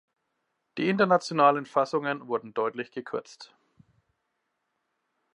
Die internationalen Fassungen wurden deutlich gekürzt.